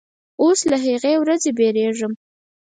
اوس له هغې ورځې بیریږم